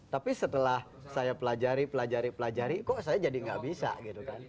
tapi setelah saya pelajari pelajari pelajari kok saya jadi nggak bisa gitu kan